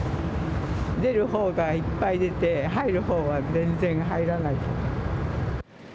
出る方がいっぱい出て入るほうは全然入らない。